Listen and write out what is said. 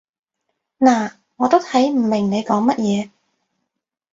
嗱，我都睇唔明你講乜嘢